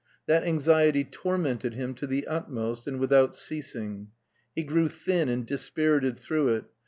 That anxiety tormented him to the utmost and without ceasing. He grew thin and dispirited through it.